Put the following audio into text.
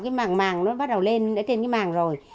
cái màng màng nó bắt đầu lên đã trên cái màng rồi